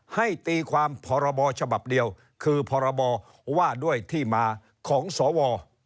ให้ตีความพรบฉบับเดียวคือพรบว่าด้วยที่มาของสว